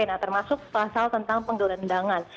nah termasuk pasal tentang penggelendangan